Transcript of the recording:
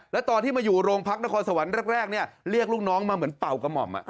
แล้วตอนที่มาอยู่โรงพักนครสวรรค์แรกเรียกลูกน้องมาเหมือนเป่ากระหม่อม